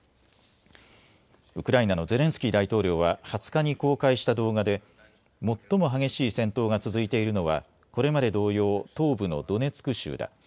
ウクライナのゼレンスキー大統領は２０日に公開した動画で最も激しい戦闘が続いているのはこれまで同様東部のドネツク州だ。